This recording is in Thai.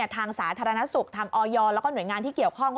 ทางสาธารณสุขทางออยแล้วก็หน่วยงานที่เกี่ยวข้อง